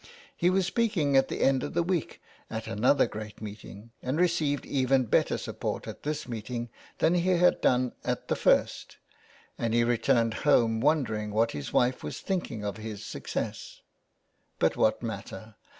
He was speaking at the end of the week at another great meeting, and received even better support at this meeting than he had done at the first, and he returned home wondering what his wife was thinking of his success. But what matter?